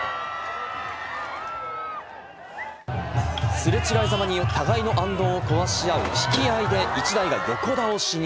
すれ違いざまに互いのあんどんを壊しあう引き合いで１台が横倒しに。